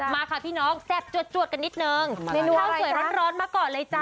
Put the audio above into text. มาค่ะพี่น้องแซ่บจวดกันนิดนึงเมนูข้าวสวยร้อนมาก่อนเลยจ้